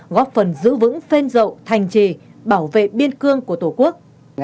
góp phần giữ vững phên rậu thành trì bảo vệ biên cương của tổ quốc